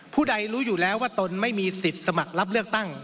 ผู้ใดรู้อยู่แล้วว่าตนไม่มีสิทธิ์สมัครรับเลือกตั้ง